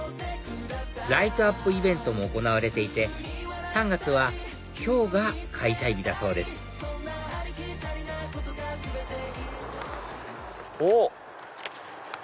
ライトアップイベントも行われていて３月は今日が開催日だそうですおっ！